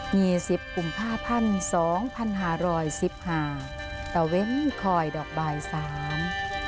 ี่สิบกุมภาพันธ์สองพันห้าร้อยสิบห้าตะเว้นคอยดอกบายสาม